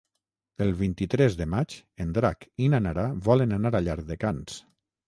El vint-i-tres de maig en Drac i na Nara volen anar a Llardecans.